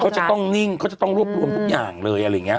เขาจะต้องนิ่งเขาจะต้องรวบรวมทุกอย่างเลยอะไรอย่างนี้